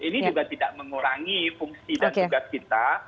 ini juga tidak mengurangi fungsi dan tugas kita